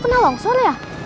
kena longsor ya